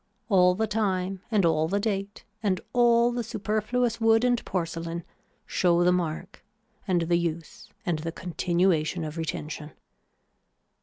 All the time and all the date and all the superfluous wood and porcelain show the mark and the use and the continuation of retention.